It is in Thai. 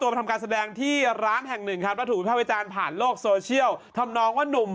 พระบาปกาแสดงที่ร้านแห่งหนึ่งครับถูกภาพริกาผ่านโรคโซเชียลทำน้องว่าหนุ่ม